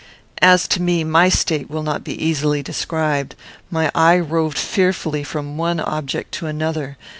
As to me, my state will not be easily described. My eye roved fearfully from one object to another.